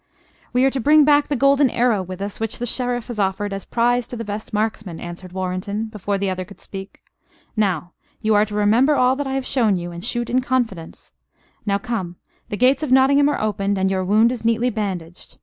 "We are to bring back the golden arrow with us which the Sheriff has offered as prize to the best marksman," answered Warrenton, before the other could speak. "Now, you are to remember all that I have shown you, and shoot in confidence. Now come: the gates of Nottingham are opened, and your wound is neatly bandaged.